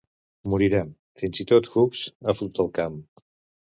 Morirem, fins i tot Hux ha fotut el camp!